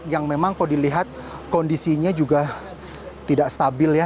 yang memang kalau dilihat kondisinya juga tidak stabil ya